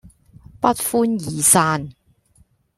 不歡而散